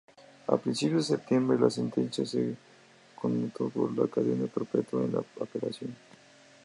A principios de septiembre, la sentencia se conmutó por cadena perpetua en la apelación.